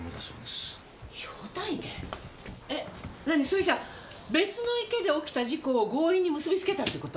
それじゃあ別の池で起きた事故を強引に結びつけたっていう事？